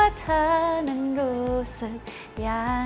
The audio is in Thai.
สำหรับเรา